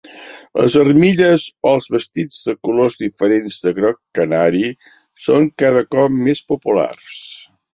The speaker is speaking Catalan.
Les armilles o els vestits de colors diferents del groc canari són cada cop més populars.